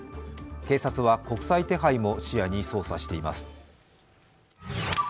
警察は国際手配も視野に捜査しています。